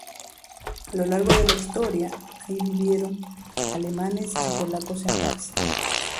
A lo largo de la historia, ahí vivieron alemanes y polacos en paz.